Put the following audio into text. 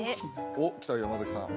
おっ来た山崎さん